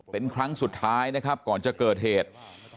เป็นครั้งสุดท้ายนะครับก่อนจะเกิดเหตุ